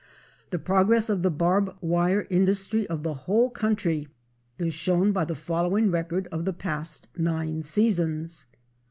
The progress of the barb wire industry of the whole country is shown by the following record of the past nine seasons.